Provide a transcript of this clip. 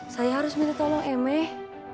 saya harus minta tolong emeh